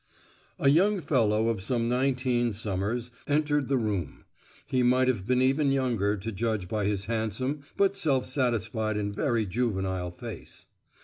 A young fellow of some nineteen summers entered the room; he might have been even younger, to judge by his handsome but self satisfied and very juvenile face.